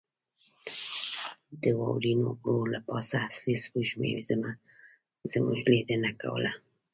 د واورینو غرو له پاسه اصلي سپوږمۍ زموږ لیدنه کوله.